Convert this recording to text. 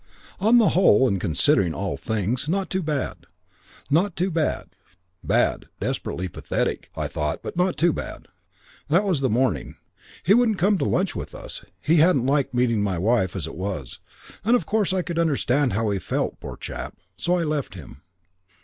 On the whole, and considering all things, not too bad. Not too bad. Bad, desperately pathetic, I thought, but not too bad. That was the morning. He wouldn't come to lunch with us. He hadn't liked meeting my wife as it was. And of course I could understand how he felt, poor chap. So I left him.